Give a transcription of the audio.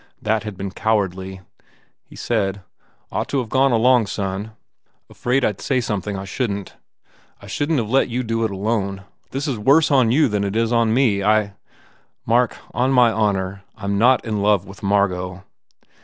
That had been cowardly. He said, "Ought to have gone along, son. ... Afraid I d say something I 274 THE WALLING shouldn t. I shouldn t have let you do it alone. This is worse on you than it is on me. I " "Mark, on my honour, I m not in love with Margot!"